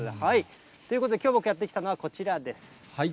ということで、きょう僕やって来たのはこちらです。